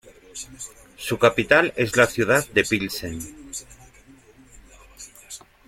Su capital es la ciudad de Pilsen.